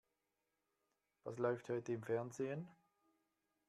Was läuft heute im Fernsehen?